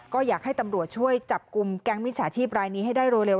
ก็อยากให้ตำรวจช่วยจับกลุ่มแก๊งมิจฉาชีพรายนี้ให้ได้เร็ว